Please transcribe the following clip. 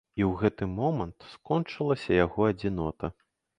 І ў гэты момант скончылася яго адзінота.